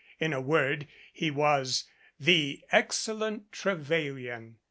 In a word he was "the excellent Trevelyan."